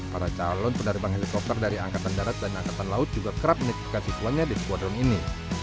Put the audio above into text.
para calon penerbang helikopter dari angkatan darat dan angkatan laut juga kerap menitipkan siswanya di skuadron ini